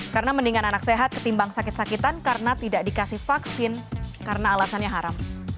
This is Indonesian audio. karena mendingan anak sehat ketimbang sakit sakitan karena tidak dikasih vaksin karena alasannya haram